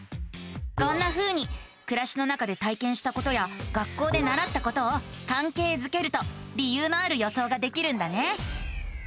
こんなふうにくらしの中で体験したことや学校でならったことをかんけいづけると理由のある予想ができるんだね。